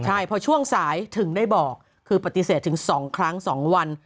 ใช่พอช่วงสายถึงได้บอกคือปฏิเสธถึง๒ครั้ง๒วัน